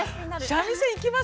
三味線行きます？